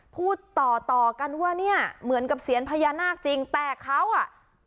พูดต่อต่อกันว่าเนี่ยเหมือนกับเสียญพญานาคจริงแต่เขาอ่ะ